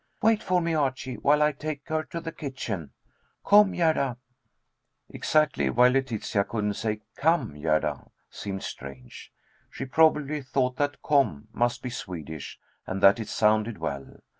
Wait for me, Archie, while I take her to the kitchen. Kom, Gerda." Exactly why Letitia couldn't say "Come, Gerda," seemed strange. She probably thought that Kom must be Swedish, and that it sounded well.